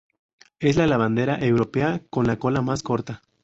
Es la lavandera europea con la cola más corta.